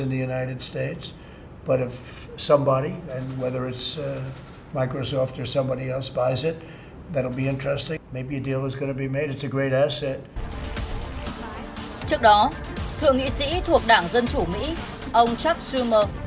trước đó thượng nghị sĩ thuộc đảng dân chủ mỹ ông chuck schumer